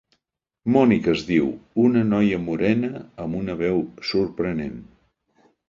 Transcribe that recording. Mònica es diu, una noia morena amb una veu sorprenent.